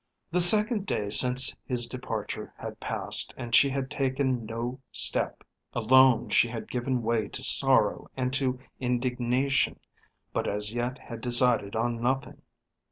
The second day since his departure had passed and she had taken no step. Alone she had given way to sorrow and to indignation, but as yet had decided on nothing.